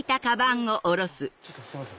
ちょっとすいません